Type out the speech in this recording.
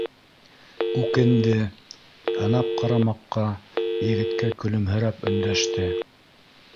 Үкенде, һынап ҡара маҡҡа, егеткә көлөмһөрәп өндәште